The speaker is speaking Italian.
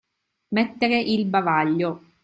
Mettere il bavaglio.